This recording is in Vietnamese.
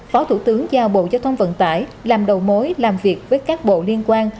phó thủ tướng giao bộ giao thông vận tải làm đầu mối làm việc với các bộ liên quan